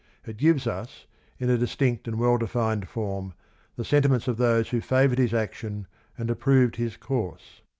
It gives us, in a distinct and well defined form, th e sentiments of those who favor ed his action and approv ed His course